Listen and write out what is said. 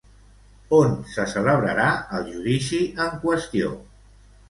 On se celebrarà el judici en qüestió?